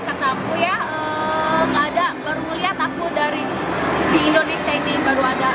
ketamu ya gak ada baru melihat aku di indonesia ini baru ada